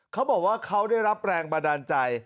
เขาบอกว่าเขาได้รับแรงบันดาลใจ